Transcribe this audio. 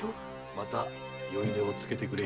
またよい値をつけてくれ。